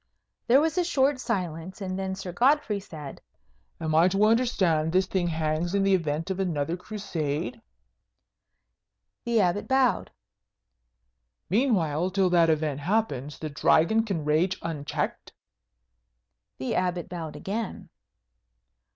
There was a short silence, and then Sir Godfrey said, "Am I to understand this thing hangs on the event of another Crusade?" The Abbot bowed. "Meanwhile, till that event happen, the Dragon can rage unchecked?" The Abbot bowed again.